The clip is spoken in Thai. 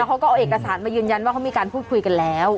เขาก็เอาเอกสารมายืนยันว่าเขามีการพูดคุยกันแล้ว